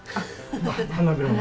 花びら餅。